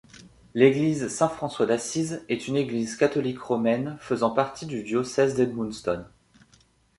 L'église Saint-François-d'Assise est une église catholique romaine faisant partie du diocèse d'Edmundston.